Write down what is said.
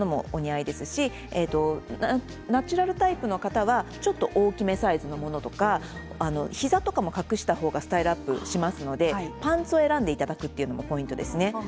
ナチュラルタイプの方はちょっと大きめサイズのものとか膝とかも隠した方がスタイルアップしますのでパンツを選んでいただくのもポイントです。